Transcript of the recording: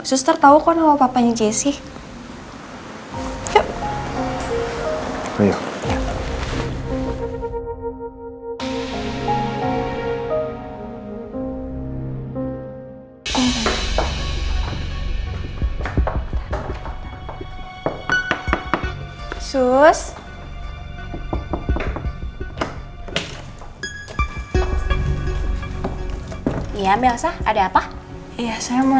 suster tau kok nama papanya jessy